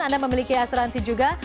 anda memiliki asuransi juga